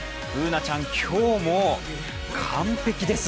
Ｂｏｏｎａちゃん、今日も完璧です。